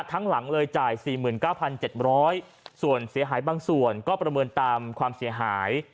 ทั้งหลังเลยจ่ายสี่หมื่นเก้าพันเจ็บร้อยส่วนเสียหายบางส่วนก็ประเมินตามความเสียหาย